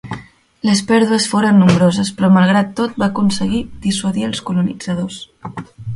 Les pèrdues foren nombroses, però malgrat tot va aconseguir dissuadir els colonitzadors.